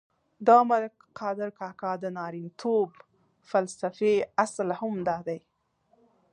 د ملک قادر کاکا د نارینتوب فلسفې اصل هم دادی.